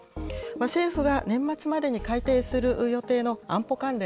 政府が年末までに改訂する予定の安保関連